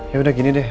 yaudah gini deh